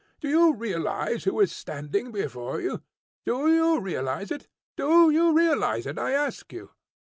Do you realise who is standing before you? Do you realise it? Do you realise it, I ask you!"